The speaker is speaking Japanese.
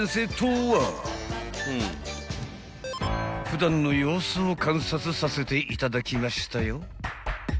［普段の様子を観察させていただきましたよ］